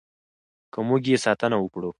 که موږ یې ساتنه وکړو.